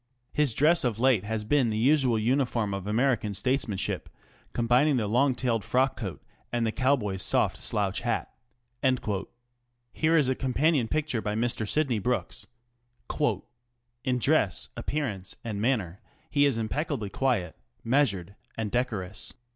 His dress of late has been the usual uniform of American statesmanship, combining the long tailed frock coat and the cowboy's soft slouch hat. Here is a companion picture by Mr. Sydney Brooks : ŌĆö In dress, appearance, and manner he is impeccably quiet, measured, and decorous.